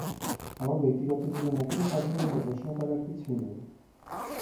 আমার ব্যক্তিগত জীবন এতই সাধারণ যে প্রশ্ন করার কিছুই নেই।